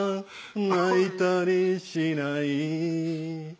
「泣いたりしない」